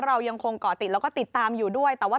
เรายังคงก่อติดแล้วก็ติดตามอยู่ด้วย